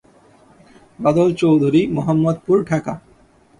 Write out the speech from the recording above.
Badal Chowdhury, Mohammadpur, Dhaka.